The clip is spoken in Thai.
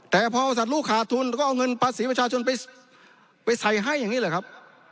แต่พอบริษัทลูกขาดทุนก็เอาเงินภาษีประชาชนไปใส่ให้อย่างนี้แหละครับ